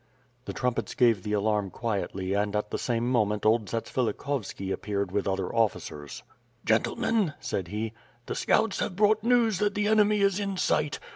The trumpets gave the alarm quietly and at the same mo ment old Zatsvilikhovski appeared with other officers. "Gentlemen," said he, "the scouts have brought news that the enemy is in sight.